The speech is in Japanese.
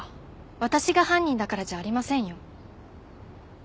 私が犯人だからじゃありませんよ。